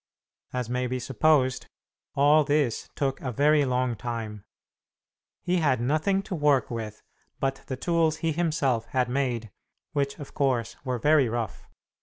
As may be supposed, all this took a very long time. He had nothing to work with but the tools he himself had made, which, of course, were very rough.